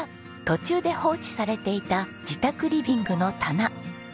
途中で放置されていた自宅リビングの棚